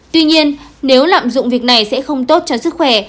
tuy nhiên nếu lạm dụng việc này sẽ không tốt cho sức khỏe